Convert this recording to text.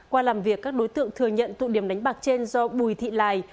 qua làm việc các đối tượng thừa nhận tụ điểm đánh bạc trên do bùi thị lài